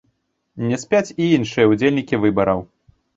Не спяць і іншыя ўдзельнікі выбараў.